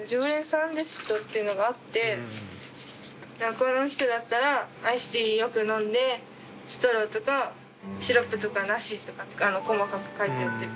この人だったらアイスティーよく飲んでストローシロップとかなしって細かく書いてあって。